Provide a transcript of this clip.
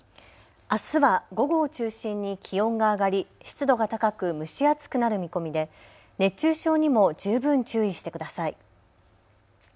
あすは午後を中心に気温が上がり湿度が高く蒸し暑くなる見込みで熱中症にも十分注意してください。